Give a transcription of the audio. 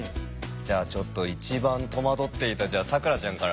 じゃあちょっと一番戸惑っていた咲良ちゃんから。